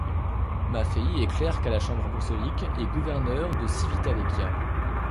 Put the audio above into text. Maffei est clerc à la chambre apostolique et gouverneur de Civitavecchia.